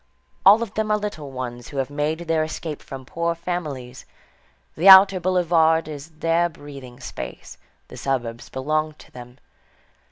All of them are little ones who have made their escape from poor families. The outer boulevard is their breathing space; the suburbs belong to them.